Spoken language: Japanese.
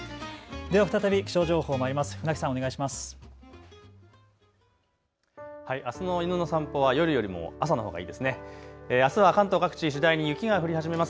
では再び気象情報まいります。